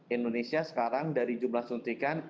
indonesia sekarang dari jumlah suntikan